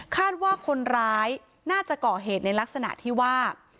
คาดว่าคนร้ายน่าจะเกาะเหตุในลักษณะที่ว่า